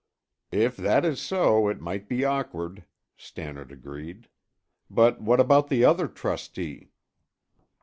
"If that is so, it might be awkward," Stannard agreed. "But what about the other trustee?"